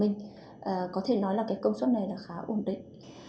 mình có thể nói là cái công suất này là khá ổn định